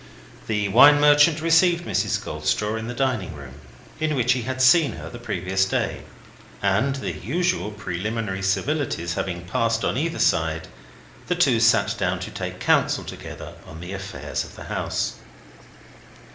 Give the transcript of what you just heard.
The wine merchant received Mrs. Goldstraw in the dining room, in which he had seen her on the previous day; and, the usual preliminary civilities having passed on either side, the two sat down to take counsel together on the affairs of the house.